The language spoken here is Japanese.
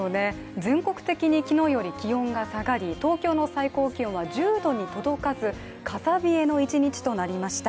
全国的に昨日より気温が下がり、東京の最高気温は１０度に届かず、風冷えの一日となりました。